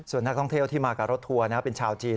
ส่วนนักท่องเที่ยวที่มากับรถทัวร์เป็นชาวจีน